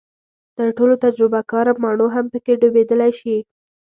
تر ټولو تجربه کاره ماڼو هم پکې ډوبېدلی شي.